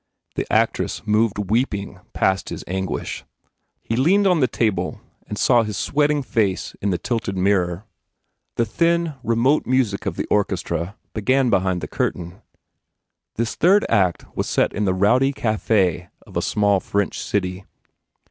The actress moved weeping past his II THE FAIR REWARDS anguish. He leaned on the table and saw his sweating face in the tilted mirror. The thin, remote music of the orchestra began behind the curtain. This third act was set in the rowdy cafe of a small French city.